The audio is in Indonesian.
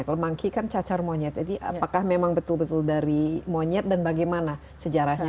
kalau monkey kan cacar monyet jadi apakah memang betul betul dari monyet dan bagaimana sejarahnya